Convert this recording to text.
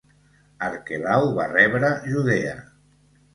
Arquelau va rebre Judea.